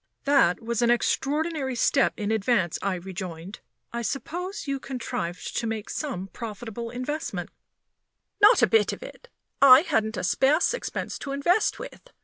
"That was an extraordinary step in advance," I rejoined. "I suppose you contrived to make some profitable investment " "Not a bit of it! I hadn't a spare sixpence to invest with.